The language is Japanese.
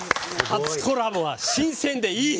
初コラボは新鮮でいい。